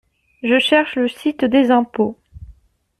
Je cherche le site des impôts